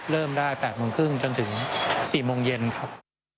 เริ่มได้๘๓๐จนถึง๔มเย็นครับ